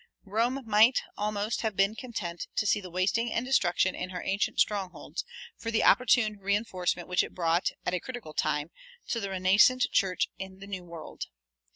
Rome might almost have been content to see the wasting and destruction in her ancient strongholds, for the opportune reinforcement which it brought, at a critical time, to the renascent church in the New World.